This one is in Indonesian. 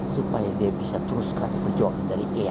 supaya dia bisa teruskan berjualan dari ia